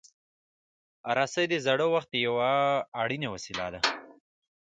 رسۍ د زاړه وخت یو اړین وسیله ده.